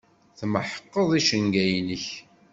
Tmeḥqeḍ icenga-nnek.